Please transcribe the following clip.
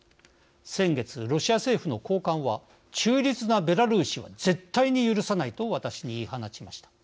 先月ロシア政府の高官は「中立なベラルーシは絶対に許さない」と私に言い放ちました。